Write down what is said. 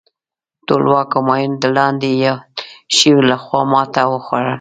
ټولواک همایون د لاندې یاد شویو لخوا ماته وخوړه.